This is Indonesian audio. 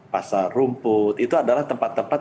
pasar rumput itu adalah tempat tempat